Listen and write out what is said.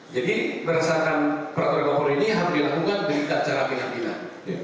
jadi peraturan kapolri ini harus dilakukan berita acara penampilan